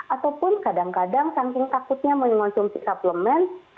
ataupun kadang kadang saking takutnya mengonsumsi suplemen